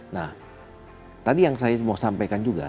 nah tadi yang saya mau sampaikan juga